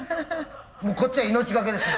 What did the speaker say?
もうこっちは命懸けです。